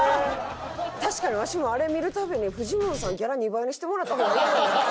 確かにわしもあれ見るたびにフジモンさんギャラ２倍にしてもらった方がええのになって。